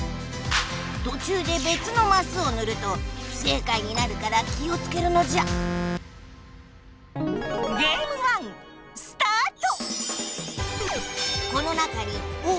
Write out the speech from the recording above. とちゅうでべつのマスをぬると不正解になるから気をつけるのじゃスタート！